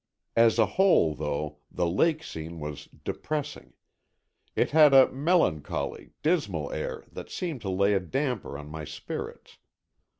As a whole, though, the lake scene was depressing. It had a melancholy, dismal air that seemed to lay a damper on my spirits.